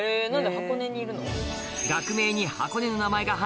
箱根にいるの？